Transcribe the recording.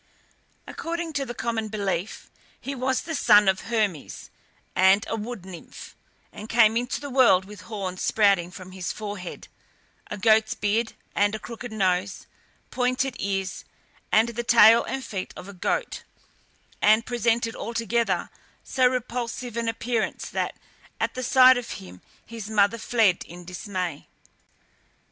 According to the common belief, he was the son of Hermes and a wood nymph, and came into the world with horns sprouting from his forehead, a goat's beard and a crooked nose, pointed ears, and the tail and feet of a goat, and presented altogether so repulsive an appearance that, at the sight of him, his mother fled in dismay.